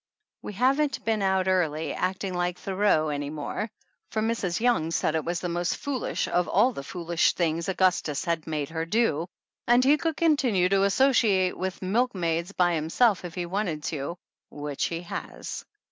We haven't been out early acting like Thoreau any more, for Mrs. Young said it was the most foolish of all the foolish things Augus tus had made her do, and he could continue to associate with milkmaids by himself if he wanted to, which he has.